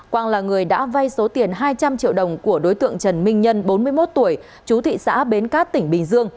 quang là người đã vay số tiền hai trăm linh triệu đồng của đối tượng trần minh nhân bốn mươi một tuổi trú thị xã b